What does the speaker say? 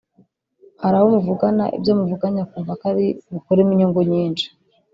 Hari abo muvugana ibyo muvuganye akumva ko ari bukuremo inyungu nyinshi